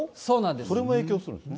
これも影響するんですね。